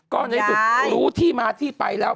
ก็ในสุดรู้ที่มาที่ไปแล้ว